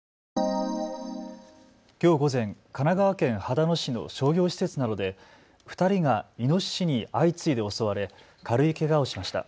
きょう午前、神奈川県秦野市の商業施設などで２人がイノシシに相次いで襲われ軽いけがをしました。